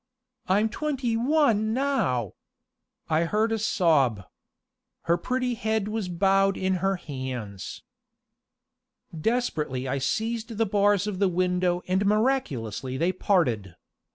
I'm twenty one now!" I heard a sob. Her pretty head was bowed in her hands. Desperately I seized the bars of the window and miraculously they parted.